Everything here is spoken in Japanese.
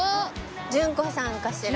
順子さんかしら？